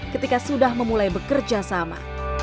ketika sudah memulai bekerja sama